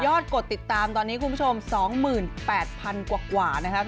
กดติดตามตอนนี้คุณผู้ชม๒๘๐๐๐กว่านะครับ